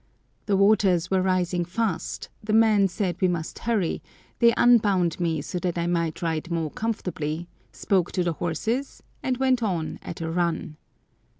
The waters were rising fast, the men said we must hurry; they unbound me, so that I might ride more comfortably, spoke to the horses, and went on at a run.